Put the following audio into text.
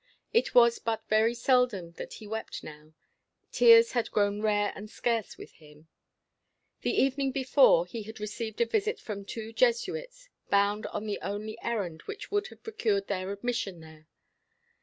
It was but very seldom that he wept now; tears had grown rare and scarce with him. The evening before, he had received a visit from two Jesuits, bound on the only errand which would have procured their admission there.